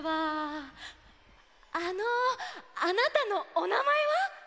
あのあなたのおなまえは？